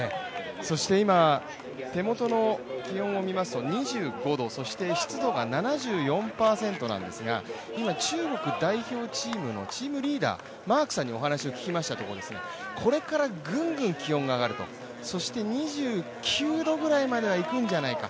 そして今、手元の気温を見ますと２５度そして、湿度が７４％なんですが今中国代表チームのチームリーダーマークさんにお話を聞きましたところこれからぐんぐん気温が上がるとそして２９度ぐらいまではいくんじゃないか。